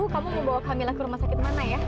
kamu mau bawa camilla ke rumah sakit mana ya